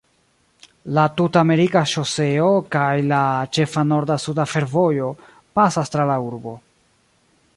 La Tut-Amerika Ŝoseo kaj la ĉefa norda-suda fervojo pasas tra la urbo.